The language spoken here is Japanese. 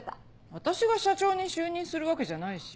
私が社長に就任するわけじゃないし。